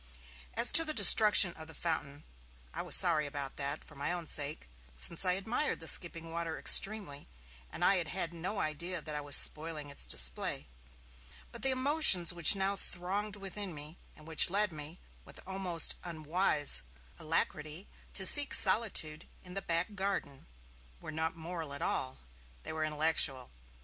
As to the destruction of the fountain, I was sorry about that, for my own sake, since I admired the skipping water extremely and had had no idea that I was spoiling its display. But the emotions which now thronged within me, and which led me, with an almost unwise alacrity, to seek solitude in the back garden, were not moral at all, they were intellectual.